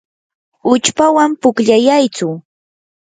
uchpawan pukllayaytsu.